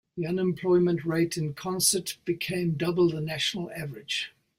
The unemployment rate in Consett became double the national average.